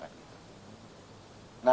jadi kita harus mencari